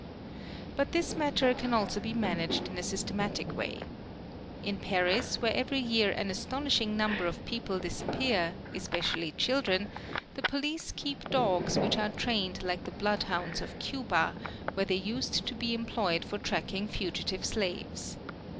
But this matter can also be managed in a systematic way. In Paris, "where every year an astonishing number of people disappear, especially children, the police keep dogs which are trained like the bloodhounds of Cuba, where they used to be employed for tracking fugitive slaves.